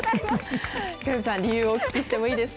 小籔さん、理由をお聞きしてもいいですか？